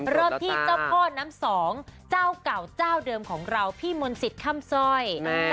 เริ่มที่เจ้าพ่อน้ำสองเจ้าเก่าเจ้าเดิมของเราพี่มนต์สิทธิ์ค่ำสร้อย